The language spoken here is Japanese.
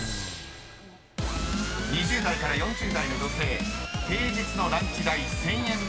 ［２０代から４０代の女性平日のランチ代１，０００円未満］